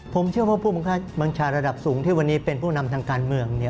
ผมเชื่อว่าผู้บังคับบัญชาระดับสูงที่วันนี้เป็นผู้นำทางการเมือง